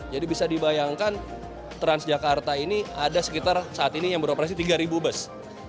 jadi bisa dibayangkan transjakarta ini ada sekitar saat ini yang beroperasi tiga ribu bus